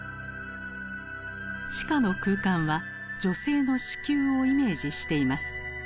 地下の空間は女性の子宮をイメージしています。